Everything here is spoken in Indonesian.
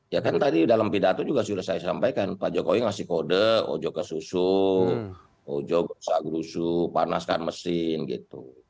ya kan tadi dalam pidato juga sudah saya sampaikan pak jokowi ngasih kode ojo ke susu ojo bersa gerusu panaskan mesin gitu